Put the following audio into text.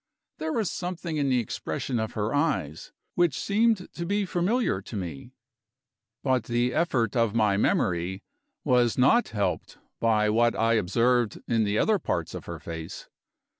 There was something in the expression of her eyes which seemed to be familiar to me. But the effort of my memory was not helped by what I observed in the other parts of her face.